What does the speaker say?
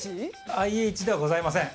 ＩＨではございません。